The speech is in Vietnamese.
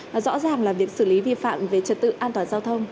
và rõ ràng là việc xử lý vi phạm về trật tự an toàn giao thông